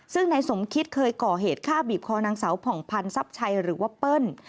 ซึ่งนายสมคิดเคยก่อเหตุฆ่าบีบคอนางสาวผ่องพันธ์ทรัพย์ชัยหรือว่าเปิ้ล